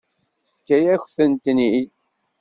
Tefka-yakent-ten-id.